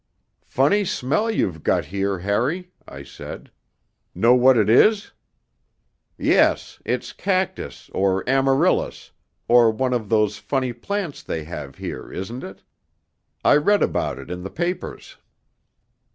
'Funny smell you've got here, Harry,' I said; 'know what it is?' 'Yes, it's cactus or amaryllis, or one of those funny plants they have here, isn't it? I read about it in the papers.'